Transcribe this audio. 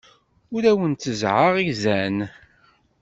Ur awen-tteẓẓɛeɣ izan.